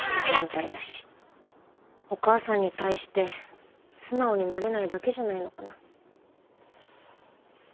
お母さんに対して素直になれないだけじゃないのかな？